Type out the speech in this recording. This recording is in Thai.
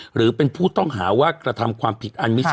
หรือเป็นผู้ต้องหาว่ากระทำความผิดอันมิชอบ